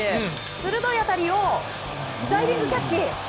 鋭い当たりをダイビングキャッチ！